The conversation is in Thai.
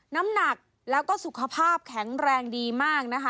น้ำหนักแล้วก็สุขภาพแข็งแรงดีมากนะคะ